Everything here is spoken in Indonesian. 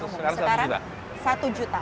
sekarang satu juta